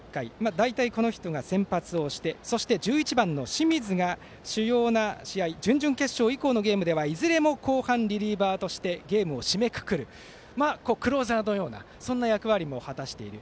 大体この人が先発をしてそして１１番の清水が主要な試合準々決勝以降のゲームではいずれも後半でリリーバーとしてゲームを締めくくるクローザーのような役割を果たしている。